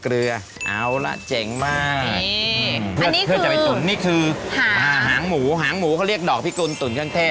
เราไม่ใช้ส่วนอื่นเหรอคะ